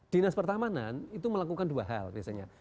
dinas pertamanan itu melakukan dua hal biasanya